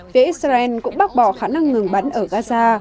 phía israel cũng bác bỏ khả năng ngừng bắn ở gaza